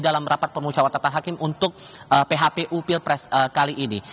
dalam rapat pemusyawaratan hakim untuk phpu pilpres kali ini